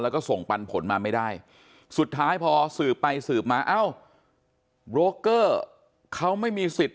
แล้วก็ส่งปันผลมาไม่ได้สุดท้ายพอสืบไปสืบมาเอ้าโบรกเกอร์เขาไม่มีสิทธิ์